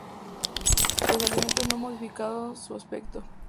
Los alimentos no modifican sus efectos.